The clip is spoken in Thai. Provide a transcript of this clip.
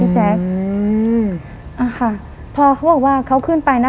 แจ๊คอืมอ่าค่ะพอเขาบอกว่าเขาขึ้นไปนะ